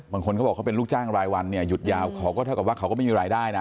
บางคนเขาบอกเขาเป็นลูกจ้างรายวันเนี่ยหยุดยาวเขาก็เท่ากับว่าเขาก็ไม่มีรายได้นะ